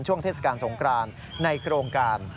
เทศกาลสงครานในโครงการ